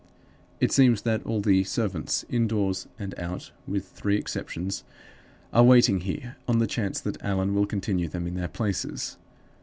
It seems that all the servants, indoors and out (with three exceptions), are waiting here, on the chance that Allan will continue them in their places.